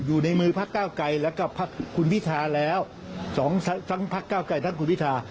อยู่ในมือพักเก้าไกรแล้วก็พักคุณพิทาแล้วทั้งพักเก้าไกรทั้งคุณพิธา